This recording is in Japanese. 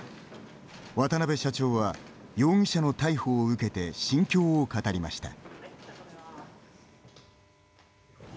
渡邊社長は、容疑者の逮捕を受けて心境を語りました。